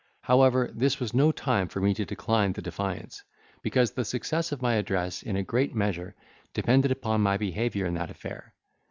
However, this was no time for me to decline the defiance, because the success of my addresses in a great measure depended upon my behaviour in that affair.